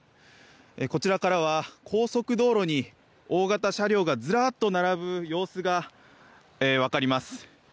こちらからは高速道路に大型車両がずらっと並ぶ様子が分かります。